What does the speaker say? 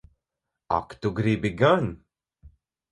Ak tu gribi gan!